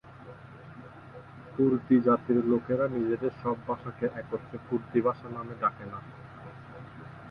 কুর্দি জাতির লোকেরা নিজেদের সব ভাষাকে একত্রে কুর্দি ভাষা নামে ডাকে না।